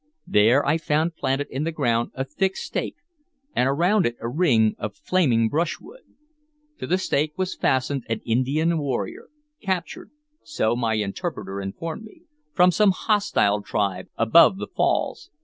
There I found planted in the ground a thick stake, and around it a ring of flaming brushwood. To the stake was fastened an Indian warrior, captured, so my interpreter informed me, from some hostile tribe above the falls.